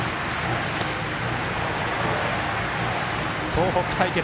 東北対決